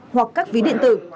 hoặc các ví điện tử